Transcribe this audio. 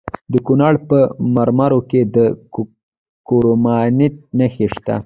د کونړ په مروره کې د کرومایټ نښې شته.